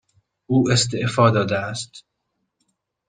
او استعفا داده است.